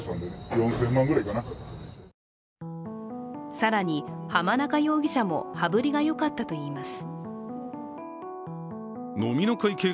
更に浜中容疑者も羽振りがよかったといいます。